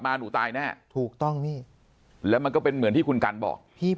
หนูตายแน่ถูกต้องพี่แล้วมันก็เป็นเหมือนที่คุณกันบอกพี่